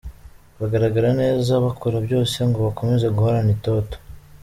bagaragara neza, bakora byose ngo bakomeze guhorana itoto.